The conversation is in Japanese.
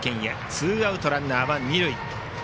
ツーアウトランナーは二塁。